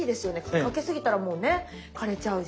かけ過ぎたらもうね枯れちゃうし。